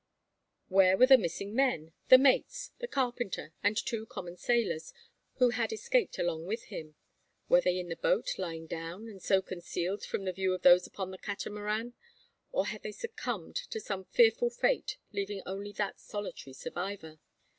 Where were the missing men, the mates, the carpenter and two common sailors, who had escaped along with him? Were they in the boat, lying down, and so concealed from the view of those upon the Catamaran? Or had they succumbed to some fearful fate, leaving only that solitary survivor?